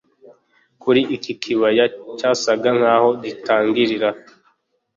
kuri iki kibaya cyasaga naho kirangirira